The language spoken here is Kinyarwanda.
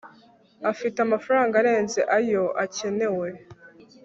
afite amafaranga arenze ayo akenewe